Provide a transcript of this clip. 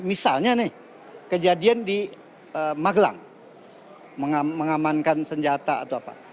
misalnya nih kejadian di magelang mengamankan senjata atau apa